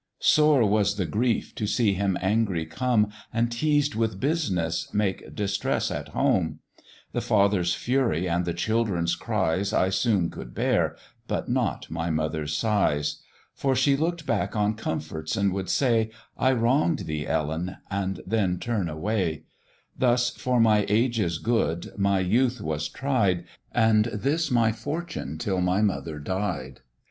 "Sore was the grief to see him angry come, And teased with business, make distress at home; The father's fury and the children's cries I soon could bear, but not my mother's sighs; For she look'd back on comforts, and would say, 'I wrong'd thee, Ellen,' and then turn away: Thus, for my age's good, my youth was tried, And this my fortune till my mother died.